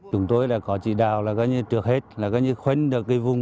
chúng tôi đã có trị đào là trước hết là khuyên được cái vùng